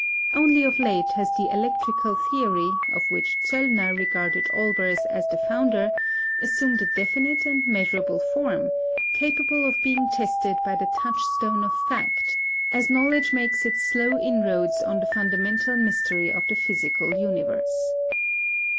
Only of late has the "electrical theory," of which Zöllner regarded Olbers as the founder, assumed a definite and measurable form, capable of being tested by the touchstone of fact, as knowledge makes its slow inroads on the fundamental mystery of the physical universe.